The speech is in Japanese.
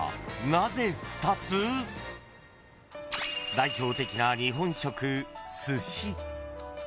［代表的な日本食］